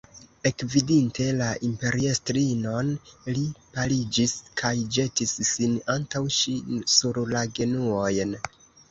Ekvidinte la imperiestrinon, li paliĝis kaj ĵetis sin antaŭ ŝi sur la genuojn.